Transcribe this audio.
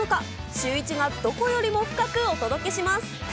シューイチがどこよりも深くお届けします。